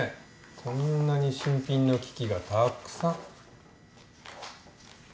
こんなに新品の機器がたくさん。